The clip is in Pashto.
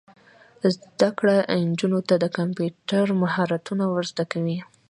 زده کړه نجونو ته د کمپیوټر مهارتونه ور زده کوي.